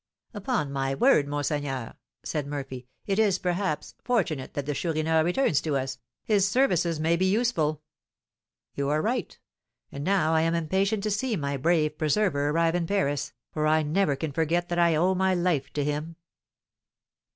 "Upon my word, monseigneur," said Murphy, "it is, perhaps, fortunate that the Chourineur returns to us, his services may be useful." "You are right; and now I am impatient to see my brave preserver arrive in Paris, for I never can forget that I owe my life to him."